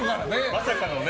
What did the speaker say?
まさかのね。